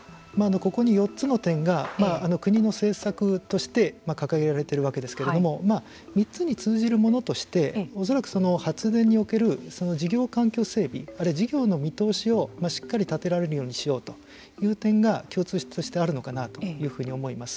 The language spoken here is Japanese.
ここに４つの点が国の政策として掲げられているわけですけれども３つに通じるものとして恐らく発電における事業環境整備あるいは事業の見通しをしっかり立てられるようにしようという点が共通としてあるのかなというふうに思います。